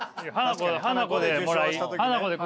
ハナコでもらい。